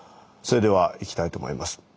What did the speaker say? それではいきたいと思います。